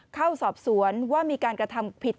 เข้าสอบสวนว่ามีการกระทำผิด